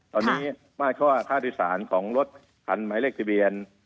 ตอนนี้มาตรเคราะห์โดยสารของรถถันไม้เลขทีเบียน